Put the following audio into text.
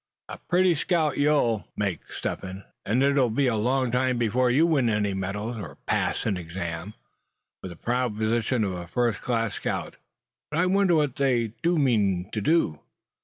A pretty scout you'll make, Step Hen; and it'll be a long time before you win any medals, or pass an exam, for the proud position of a first class scout. But I wonder what they do mean to do?"